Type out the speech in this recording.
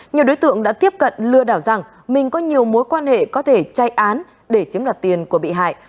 nhiều đối tượng đã tiếp cận lừa đảo rằng mình có nhiều mối quan hệ có thể chay án để chiếm đoạt tiền của bị hại